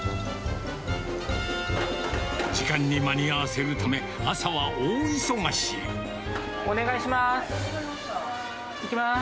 時間に間に合わせるため、お願いします。